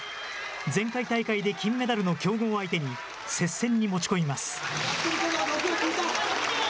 前回大会で金メダルの強豪を相手に、接戦に持ち込みます。